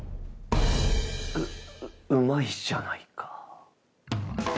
ううまいじゃないか。